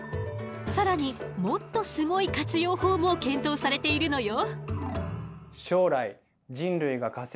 更にもっとすごい活用法も検討されているのよ。